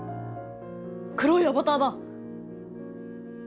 黒いアバターだ！